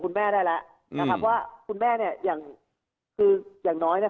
คุณแม่ได้แล้วนะครับว่าคุณแม่เนี่ยอย่างคืออย่างน้อยเนี่ย